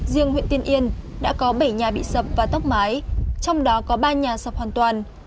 riêng huyện tiên yên đã có bảy nhà bị sập và tốc mái trong đó có ba nhà sập hoàn toàn